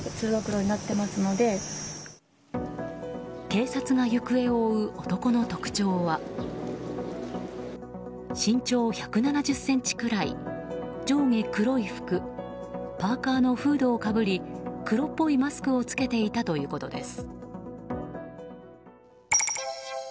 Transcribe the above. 警察が行方を追う男の特徴は身長１７０ｃｍくらい上下黒い服パーカのフードをかぶり黒っぽいマスクを着けていたということです。